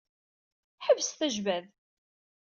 Ḥebset ajbad.